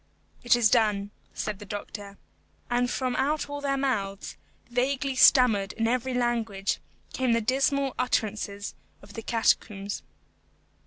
"It is done," said the doctor. And from out all their mouths, vaguely stammered in every language, came the dismal utterances of the catacombs.